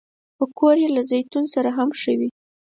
پکورې له زیتون سره هم ښه وي